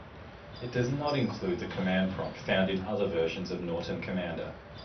It does not include the command prompt found in other versions of Norton Commander.